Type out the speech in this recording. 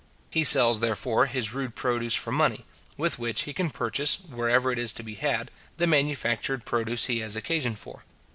He sells, therefore, his rude produce for money, with which he can purchase, wherever it is to be had, the manufactured produce he has occasion for.